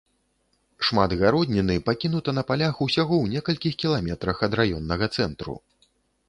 Шмат гародніны пакінута на палях усяго ў некалькіх кіламетрах ад раённага цэнтру.